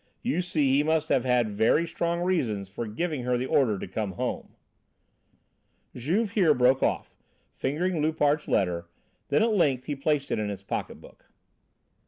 You see he must have had very strong reasons for giving her the order to come home " Juve here broke off, fingering Loupart's letter; then at length he placed it in his pocketbook.